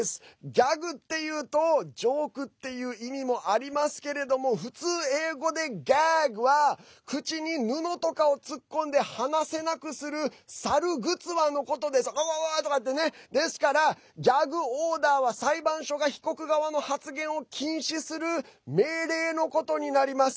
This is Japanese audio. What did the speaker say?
ギャグっていうと、ジョークっていう意味もありますけれども普通、英語でＧａｇは口に布とかを突っ込んで話せなくする猿ぐつわのことですからギャグオーダーは裁判所が被告側の発言を禁止する命令のことになります。